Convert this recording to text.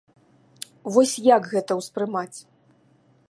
Вось як гэта ўспрымаць?